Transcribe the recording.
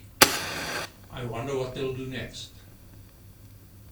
I wonder what they’ll do next!